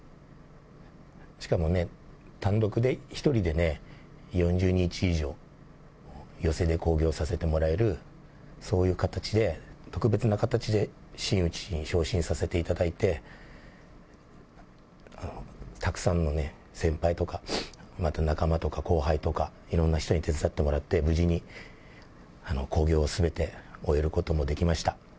しかもね、単独で、１人でね、４０日以上、寄席で興行させてもらえる、そういう形で、特別な形で真打ちに昇進させていただいて、たくさんのね、先輩とか、また仲間とか、後輩とか、いろんな人に手伝ってもらって、無事に、興行をすべて終えることもできました。